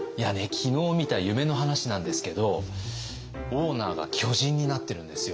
昨日見た夢の話なんですけどオーナーが巨人になってるんですよ。